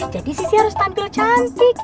jadi sissy harus tampil cantik